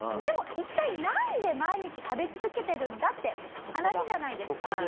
でも一体なんで毎日食べ続けてるんだって話じゃないですか。